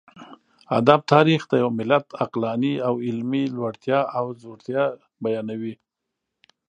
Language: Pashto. ادب تاريخ د يوه ملت عقلاني او علمي لوړتيا او ځوړتيا بيانوي.